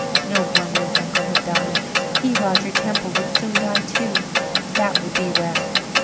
No wonder his uncle had died. He, Roger Temple, would soon die too. That would be well.